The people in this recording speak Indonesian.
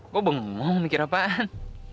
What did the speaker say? kok bengong mikir apaan